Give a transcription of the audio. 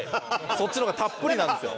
そっちのがたっぷりなんですよ。